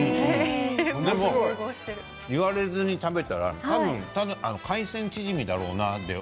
でも言われずに食べたら海鮮チヂミだろうなって。